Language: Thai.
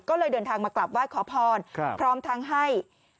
ก็เลยเดินทางมากลับไหว้ขอพรพร้อมทั้งให้